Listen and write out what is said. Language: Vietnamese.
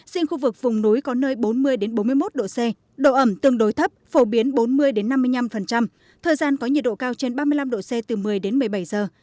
riêng khu vực vùng núi có nơi bốn mươi bốn mươi một độ c độ ẩm tương đối thấp phổ biến bốn mươi năm mươi năm thời gian có nhiệt độ cao trên ba mươi năm độ c từ một mươi đến một mươi bảy giờ